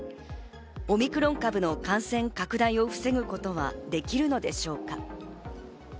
オミクロン株の感染拡大を防ぐことはできるのでしょうか。